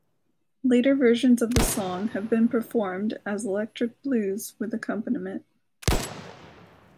Later versions of the song have been performed as electric blues with accompaniment.